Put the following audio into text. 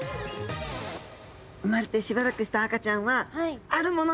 生まれてしばらくした赤ちゃんはあるものに集まります。